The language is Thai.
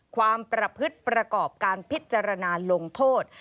ความประพฤติประกอบการพิจารณาลงโทษ